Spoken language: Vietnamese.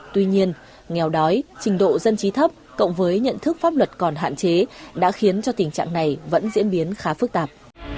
tuy nhiên nghèo đói trình độ dân trí thấp cộng với nhận thức pháp luật còn hạn chế đã khiến cho tình trạng này vẫn diễn biến khá phức tạp